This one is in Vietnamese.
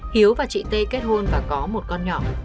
hiếu và chị tê kết hôn và có một con nhỏ